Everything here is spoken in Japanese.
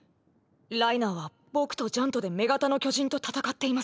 ライナーは僕とジャンとで女型の巨人と戦っています。